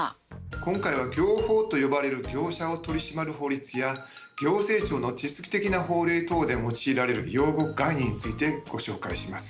今回は業法と呼ばれる業者を取り締まる法律や行政庁の手続き的な法令等で用いられる用語・概念についてご紹介します。